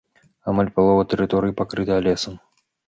Амаль палова тэрыторыі пакрыта лесам.